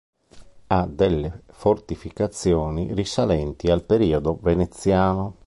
Ha delle fortificazioni risalenti al periodo veneziano.